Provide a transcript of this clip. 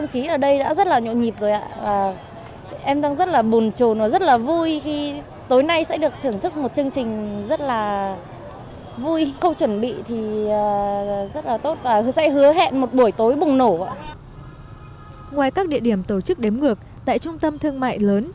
ngoài các địa điểm tổ chức đếm ngược tại trung tâm thương mại lớn